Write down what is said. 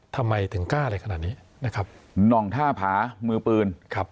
ทำไมถึงกล้าอะไรขนาดนี้นะครับน่องท่าผามือปืนครับ